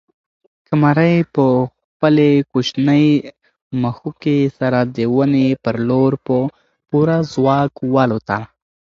قمرۍ په خپلې کوچنۍ مښوکې سره د ونې پر لور په پوره ځواک والوته.